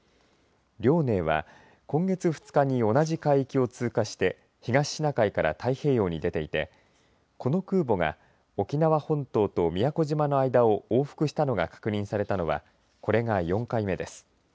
遼寧は今月２日に同じ海域を通過して東シナ海から太平洋に出ていてこの空母が沖縄本島と宮古島の間を往復したのが確認されたのはこれが４回目です。